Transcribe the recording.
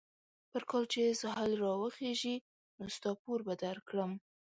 پر کال چې سهيل را وخېژي؛ نو ستا پور به در کړم.